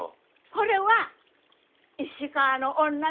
これは石川の女たち